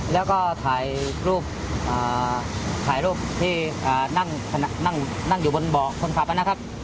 แล้วก็ถ่ายรูปที่นั่งอยู่บนบ่อคนพรรพนะครับ